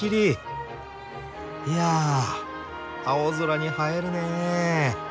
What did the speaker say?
いやあ青空に映えるねえ。